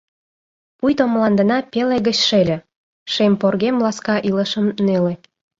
Пуйто мландына пеле гыч шеле, Шем поргем ласка илышым неле.